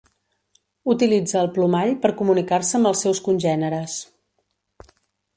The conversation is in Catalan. Utilitza el plomall per comunicar-se amb els seus congèneres.